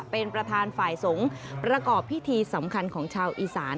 เป็นประธานฝ่ายสงฆ์ประกอบพิธีสำคัญของชาวอีสาน